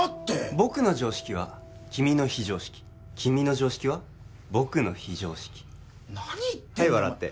僕の常識は君の非常識君の常識は僕の非常識何言ってるんだ